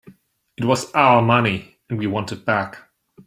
It was our money and we want it back.